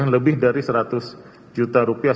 lebih dari seratus juta rupiah